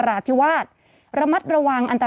ศูนย์อุตุนิยมวิทยาภาคใต้ฝั่งตะวันอ่อค่ะ